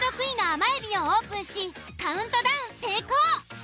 １６位の甘えびをオープンしカウントダウン成功。